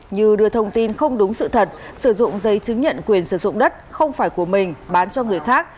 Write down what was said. như đưa thông tin không đúng sự thật sử dụng giấy chứng nhận quyền sử dụng đất không phải của mình bán cho người khác